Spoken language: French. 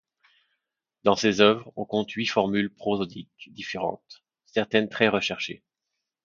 Dans ses œuvres on compte huit formules prosodiques différentes, certaines très recherchées.